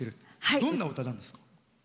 どんな歌なんですか？